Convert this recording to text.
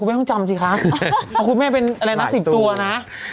เอ้าครับทุกคนแม่เป็น๑๐ตัวนะ